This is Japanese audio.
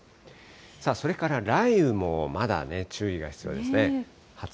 それから雷雨もまだ注意が必要ですね。